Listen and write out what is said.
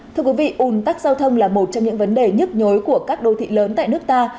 thưa quý vị ủn tắc giao thông là một trong những vấn đề nhức nhối của các đô thị lớn tại nước ta